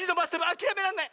あきらめらんない！